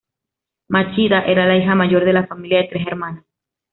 Machida era la hija mayor de la familia de tres hermanas.